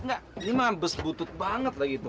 ini mah bus butut banget lah gitu